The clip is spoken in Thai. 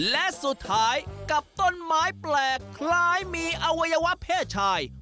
และสุดท้ายกับต้นไม้แปลกคล้ายมีอวัยวะเพศชาย